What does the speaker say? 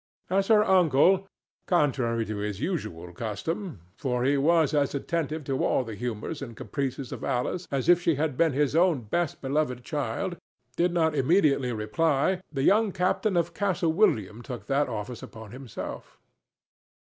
As her uncle, contrary to his usual custom—for he was as attentive to all the humors and caprices of Alice as if she had been his own best beloved child—did not immediately reply, the young captain of Castle William took that office upon himself.